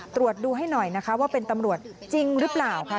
ตรวจดูให้หน่อยนะคะว่าเป็นตำรวจจริงหรือเปล่าค่ะ